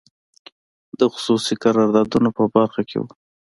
د خصوصي قراردادونو په برخو کې وو.